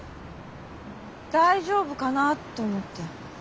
大丈夫かな？っと思って。